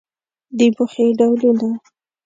د موخې ډولونه